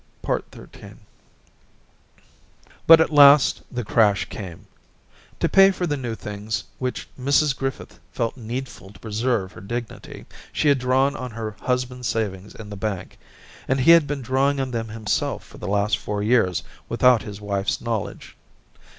... XIII But at last the crash came. To pay for the new things which Mrs Griffith felt needful to preserve her dignity, she had drawn on her Daisy 267 husband's savings in the bank ; and he had been drawing on them himself for the last four years without his wife's knowledge.